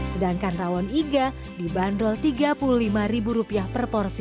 sedangkan rawon iga dibanderol rp tiga puluh lima per porsi